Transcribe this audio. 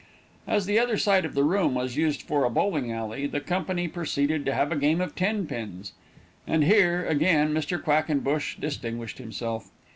As the other side of the room was used for a bowling alley, the company proceeded to have a game of ten pins; and here, again, Mr. Quackenbush distinguished himself.